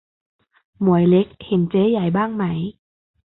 หมวยเล็ก เห็นเจ๊ใหญ่บ้างไหม